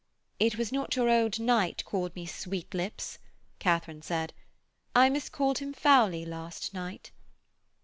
'It was not your old knight called me Sweetlips,' Katharine said. 'I miscalled him foully last night.'